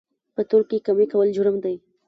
په تول کې کمي کول جرم دی